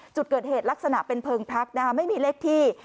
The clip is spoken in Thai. จุดเกิดเหตุลักษณะเป็นเพลิงพักไม่มีเลขที่